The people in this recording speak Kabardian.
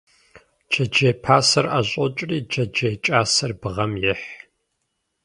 Джэджьей пасэр ӏэщӏокӏри, джэджьей кӏасэр бгъэм ехь.